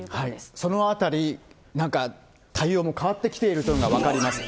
そのあたり、なんか対応も変わってきているというのが分かります。